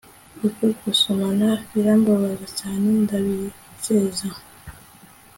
Uku gusomana birambabaza cyane ndabizeza